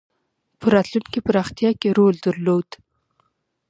په راتلونکې پراختیا کې رول درلود.